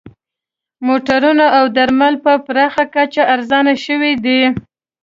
موټرونه او درمل په پراخه کچه ارزانه شوي دي